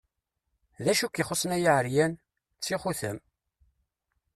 D acu i k-ixuṣṣen ay aεeryan? D tixutam!